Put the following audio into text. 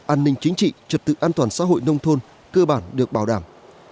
an ninh chính trị trật tự an toàn xã hội nông thôn cơ bản được bảo đảm